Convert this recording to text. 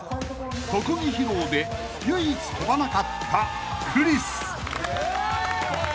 ［特技披露で唯一跳ばなかったクリス］